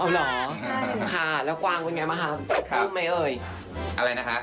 เหรอค่ะแล้วกวางเป็นไงบ้างคะลื้มไหมเอ่ยอะไรนะคะ